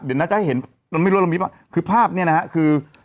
เดี๋ยวนะจะให้เห็นมันไม่รู้เรามีป่ะคือภาพเนี่ยนะฮะคือ